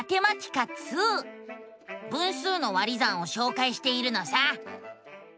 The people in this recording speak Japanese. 分数の「割り算」をしょうかいしているのさ。